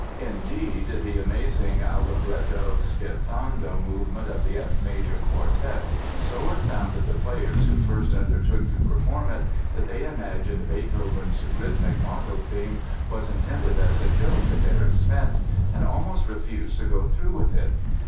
Indeed, the amazing "Allegretto, scherzando" movement of the F major Quartet so astounded the players who first undertook to perform it that they imagined Beethoven's rhythmic motto theme was intended as a joke at their expense and almost refused to go through with it.